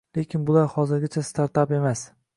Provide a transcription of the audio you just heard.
lekin bular hozirgacha Startup emas.